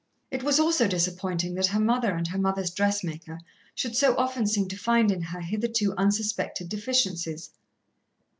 It was also disappointing that her mother and her mother's dressmaker should so often seem to find in her hitherto unsuspected deficiencies.